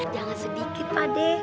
jangan sedikit pade